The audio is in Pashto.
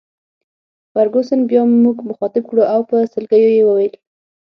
فرګوسن بیا موږ مخاطب کړو او په سلګیو یې وویل.